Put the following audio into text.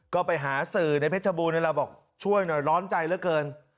ก็ไปหาสื่อในเพชรบูรณเราบอกช่วยหน่อยร้อนใจเหลือเกิน